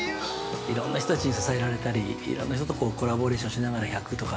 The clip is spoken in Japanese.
いろんな人たちに支えられたりいろんな人たちとコラボレーションしながら１００とか。